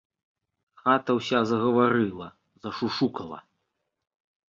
Хата ўся загаварыла, зашушукала.